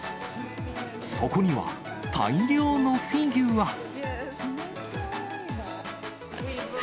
そこには大量のフィギュア。